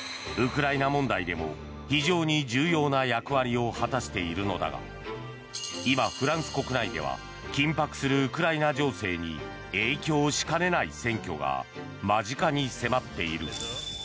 ウクライナ問題でも非常に重要な役割を果たしているのだが今、フランス国内では緊迫するウクライナ情勢に影響しかねない選挙が間近に迫っている。